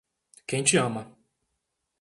Quem te ama